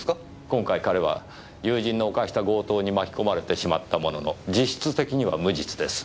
今回彼は友人の犯した強盗に巻き込まれてしまったものの実質的には無実です。